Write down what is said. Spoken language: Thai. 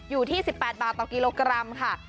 อยู่ที่๑๘บาทต่อกิโลกรัมค่ะ